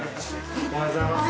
おはようございます。